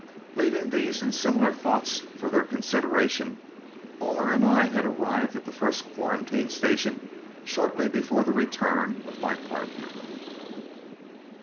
Leaving these and similar thoughts for their consideration, Ullmer and I had arrived at the first quarantine station shortly before the return of my partner.